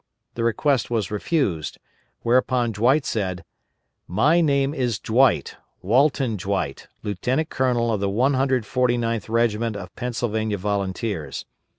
The request was refused; whereupon Dwight said: _"My name is Dwight, Walton Dwight, Lieutenant Colonel of the 149th Regiment of Pennsylvania Volunteers.